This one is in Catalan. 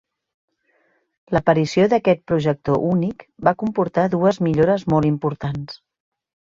L'aparició d'aquest projector únic va comportar dues millores molt importants.